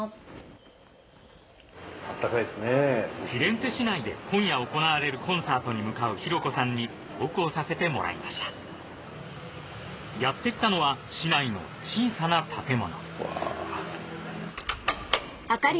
フィレンツェ市内で今夜行われるコンサートに向かう紘子さんに同行させてもらいましたやってきたのは市内の小さな建物ああ